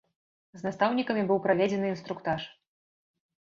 З настаўнікамі быў праведзены інструктаж.